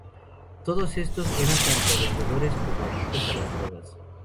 Todos estos eran tanto vendedores como adictos a las drogas.